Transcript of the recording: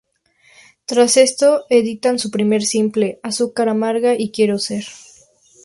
Tras esto, editan su primer simple: "Azúcar amarga" y "Quiero Ser".